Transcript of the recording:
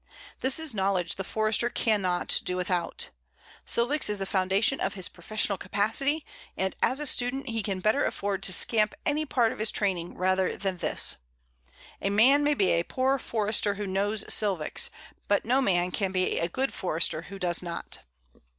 This is knowledge the Forester can not do without. Silvics is the foundation of his professional capacity, and as a student he can better afford to scamp any part of his training rather than this. A man may be a poor Forester who knows Silvics, but no man can be a good Forester who does not.